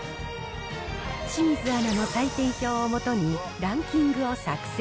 清水アナの採点表を基に、ランキングを作成。